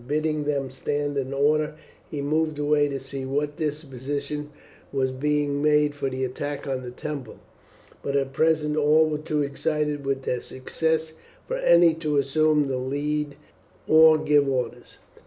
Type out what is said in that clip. Bidding them stand in order he moved away to see what disposition was being made for the attack on the temple, but at present all were too excited with their success for any to assume the lead or give orders.